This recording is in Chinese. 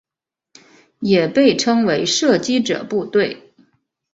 也被称为射击者部队。